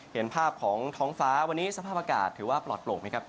เห็นภาพของท้องฟ้าวันนี้สภาพอากาศถือว่าปลอดโปรกไหมครับ